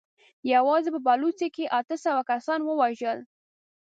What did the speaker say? يواځې په بلوڅو کې يې اته سوه کسان ووژل.